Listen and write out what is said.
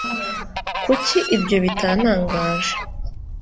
kuki ibyo bitantangaje